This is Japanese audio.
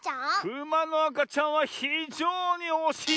クマのあかちゃんはひじょうにおしいですね！